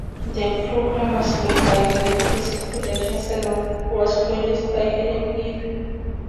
The programme was made by Great Percy Productions and was produced by Helen Hill.